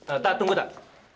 eh tak tunggu tak